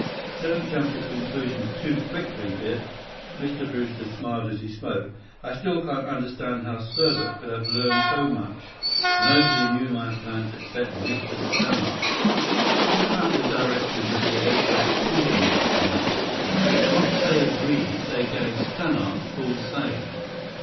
"Don't jump to conclusions too quickly, Biff." Mr. Brewster smiled as he spoke. "I still can't understand how Serbot could have learned so much. Nobody knew my plans except Mr. Stannart." "What about the directors of the Ajax Company, Dad?" "Once they agreed, they gave Stannart full say.